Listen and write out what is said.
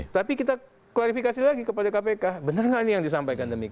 tapi kita klarifikasi lagi kepada kpk benar nggak ini yang disampaikan